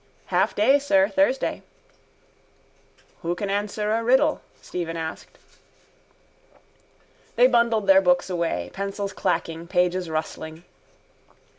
—Half day, sir. Thursday. —Who can answer a riddle? Stephen asked. They bundled their books away, pencils clacking, pages rustling.